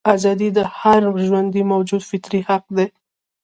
ازادي د هر ژوندي موجود فطري حق دی.